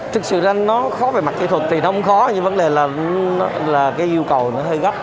thực sự ra nó khó về mặt kỹ thuật thì nó không khó nhưng vấn đề là cái yêu cầu nó hơi gấp